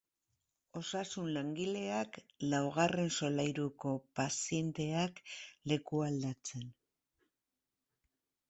Osasun-langileak laugarren solairuko pazienteak lekualdatzen.